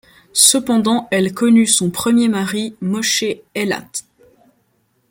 Cependant elle connut son premier mari, Moshé Eilat.